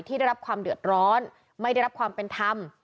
ได้รับความเดือดร้อนไม่ได้รับความเป็นธรรม